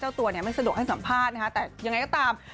ตัวเนี่ยไม่สะดวกให้สัมภาษณ์นะคะแต่ยังไงก็ตาม